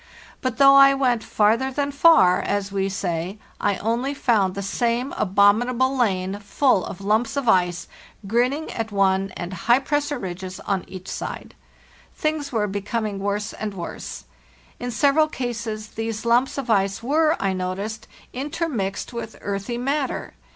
But though I went 'farther than far,' as we say, [ only found the same abominable lane, full of lumps of ice, grinning at one, and high pressure ridges on each side. Things were becoming worse and worse. In several cases these lumps of ice were, I noticed, in termixed with earthy matter.